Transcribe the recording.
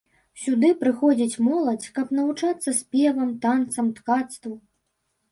Сюды прыходзіць моладзь, каб навучацца спевам, танцам, ткацтву.